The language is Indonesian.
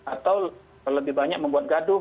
atau lebih banyak membuat gaduh